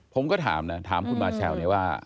ผมก็ถามนะถามคุณมาแชลเนี่ยว่า